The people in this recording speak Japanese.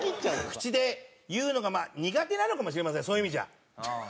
口で言うのがまあ苦手なのかもしれませんそういう意味じゃ。はあ？